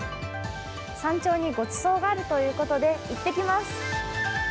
山頂にごちそうがあるということで行ってきます。